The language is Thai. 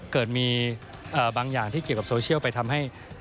เกิดมีบางอย่างที่เกี่ยวกับโซเชียลไปทำให้